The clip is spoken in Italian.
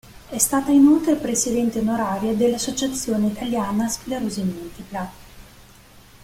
È stata inoltre Presidente onoraria dell'Associazione Italiana Sclerosi Multipla.